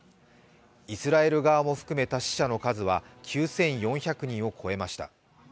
イスラエル側も含めた死者の数は９４００人を超えました。